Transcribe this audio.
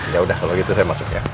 ya udah kalau gitu saya masuk ya